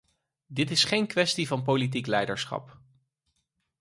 Dit is geen kwestie van politiek leiderschap.